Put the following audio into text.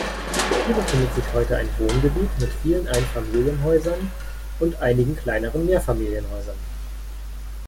Hier befindet sich heute ein Wohngebiet mit vielen Einfamilienhäusern und einigen kleineren Mehrfamilienhäusern.